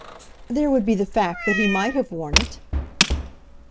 "There would be the fact that he might have worn it."